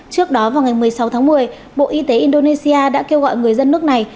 trước đó vào ngày một mươi sáu tháng một mươi bộ y tế indonesia đã kêu gọi người dân nước này